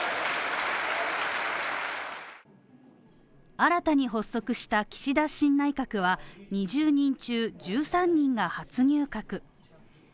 新たに発足した岸田新内閣は２０人中１３人が初入閣。